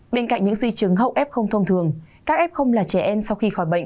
bên cạnh những di chứng hậu f thông thường các f là trẻ em sau khi khỏi bệnh